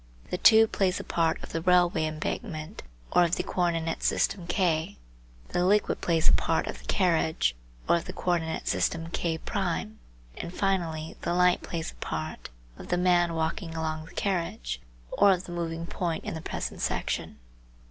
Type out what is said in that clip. The tube plays the part of the railway embankment or of the co ordinate system K, the liquid plays the part of the carriage or of the co ordinate system K1, and finally, the light plays the part of the Figure 03: file fig03.gif man walking along the carriage, or of the moving point in the present section.